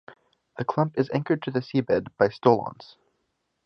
The clump is anchored to the seabed by stolons.